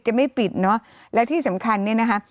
จะไม่ปิดเนอะและที่สำคัญเนี่ยนะคะ